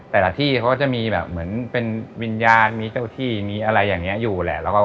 แต่ละที่เขาก็จะมีแบบเหมือนเป็นวิญญาณมีเจ้าที่มีอะไรอย่างนี้อยู่แหละ